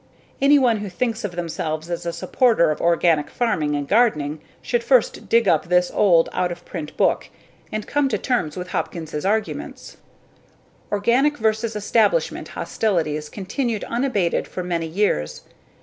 Anyone who thinks of themselves as a supporter of organic farming and gardening should first dig up this old, out of print book, and come to terms with Hopkins' arguments. Organic versus establishment hostilities continued unabated for many years.